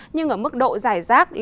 nhưng ở mức độ dài rác